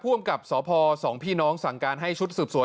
อำกับสพสองพี่น้องสั่งการให้ชุดสืบสวน